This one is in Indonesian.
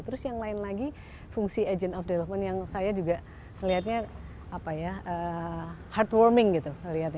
terus yang lain lagi fungsi agent of development yang saya juga melihatnya heartwarming gitu